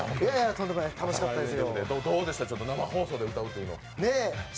とんでもない楽しかったですよ。